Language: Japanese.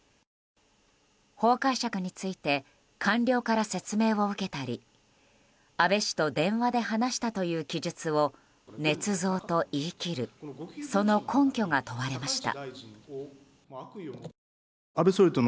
法解釈について官僚から説明を受けたり安倍氏と電話で話したという記述をねつ造と言い切るその根拠が問われました。